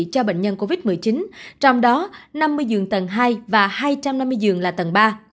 cho bệnh nhân covid một mươi chín trong đó năm mươi giường tầng hai và hai trăm năm mươi giường là tầng ba